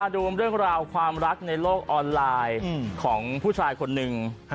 ดูเรื่องราวความรักในโลกออนไลน์ของผู้ชายคนหนึ่ง